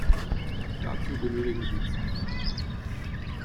Dazu benötigen sie Zeit.